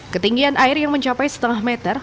ketinggian air yang mencapai setengah meter